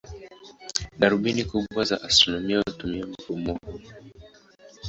Darubini kubwa za astronomia hutumia mfumo huo.